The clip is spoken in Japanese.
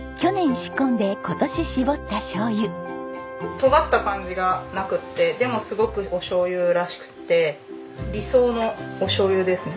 とがった感じがなくってでもすごくおしょうゆらしくって理想のおしょうゆですね